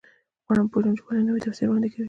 غواړم پوه شم چې ولې نوی تفسیر وړاندې کوي.